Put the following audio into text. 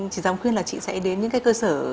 chị giám khuyên là chị sẽ đến những cái cơ sở